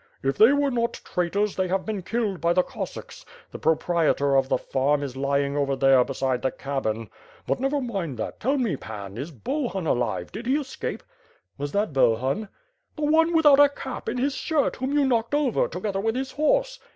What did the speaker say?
"If they were not traitors they have been killed by the Cossacks. The proprietor of the farm is lying over there beside the cabin. But never mind that, tell me. Pan, is Bahun alive? Did he escape?" "Was that Bohun?" "The one without a cap, in liis shirt; whom you knocked over, together with his horse."